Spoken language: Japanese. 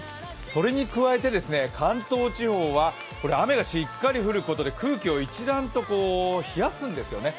それに加えて関東地方は雨がしっかり降ることで空気を一段と冷やすんですよね。